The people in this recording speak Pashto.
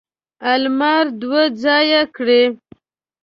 المار دوه ځایه کړي.